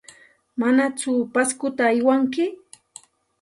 ¿Manaku Pascota aywanki?